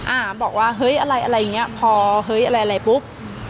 อ่าบอกว่าเฮ้ยอะไรอะไรอย่างเงี้ยพอเฮ้ยอะไรอะไรปุ๊บ